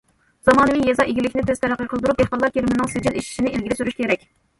زامانىۋى يېزا ئىگىلىكىنى تېز تەرەققىي قىلدۇرۇپ، دېھقانلار كىرىمىنىڭ سىجىل ئېشىشىنى ئىلگىرى سۈرۈش كېرەك.